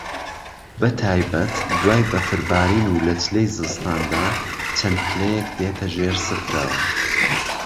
بە تایبەت دوای بەفربارین و لە چلەی زستان دا چەند پلەیەک دێتە ژێر سفرەوە